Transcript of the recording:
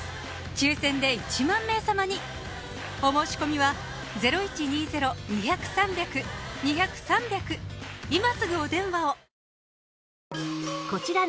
抽選で１万名様にお申し込みは今すぐお電話を！